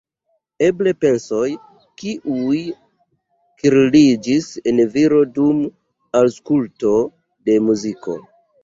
Eble pensoj, kiuj kirliĝis en viro dum aŭskulto de muziko.